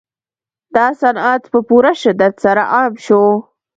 دا صنعت په پوره شدت سره عام شو